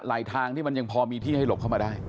ทางที่มันยังพอมีที่ให้หลบเข้ามาได้